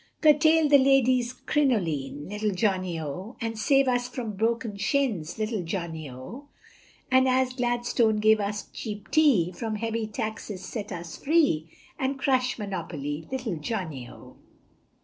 Curtail the ladies crinoline, Little Johnny, O, And save us from broken shins, Little Johnny, O, And as Gladstone gave us cheap tea, From heavy taxes set us free, And crush monopoly, Little Johnny, O.